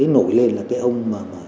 nổi lên là cái ông